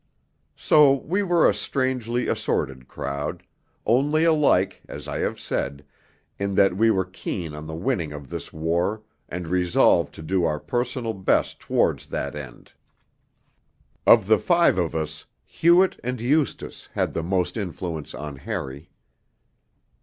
So we were a strangely assorted crowd, only alike, as I have said, in that we were keen on the winning of this war and resolved to do our personal best towards that end. Of the five of us, Hewett and Eustace had the most influence on Harry.